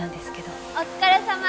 お疲れさま！